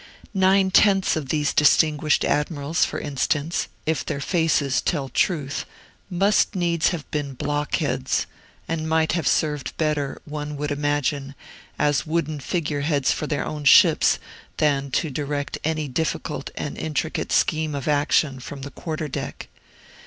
Nine tenths of these distinguished admirals, for instance, if their faces tell truth, must needs have been blockheads, and might have served better, one would imagine, as wooden figure heads for their own ships than to direct any difficult and intricate scheme of action from the quarter deck.